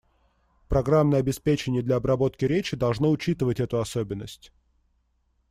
Программное обеспечение для обработки речи должно учитывать эту особенность.